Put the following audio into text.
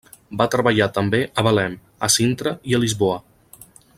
Va treballar també a Belém, a Sintra i a Lisboa.